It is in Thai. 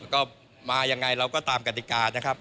ก็มายังไงเราก็ตามกฎิกานะครับ